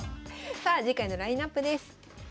さあ次回のラインナップです。